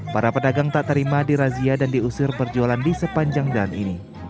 para pedagang tak terima dirazia dan diusir perjualan di sepanjang jalan ini